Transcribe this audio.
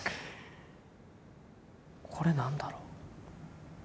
これ何だろう？